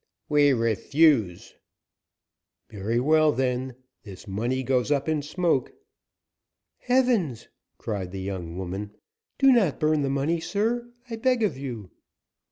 "We refuse." "Very well, then; this money goes up in smoke." "Heavens!" cried the young woman. "Do not burn the money, sir, I beg of you!"